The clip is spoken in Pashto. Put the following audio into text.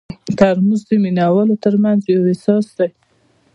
ترموز د مینه والو ترمنځ یو احساس دی.